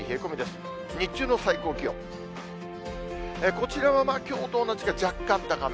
こちらはきょうと同じか、若干高め。